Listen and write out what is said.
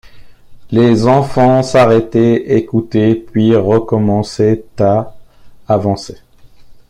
Les enfants s’arrêtaient, écoutaient, puis recommençaient à avancer.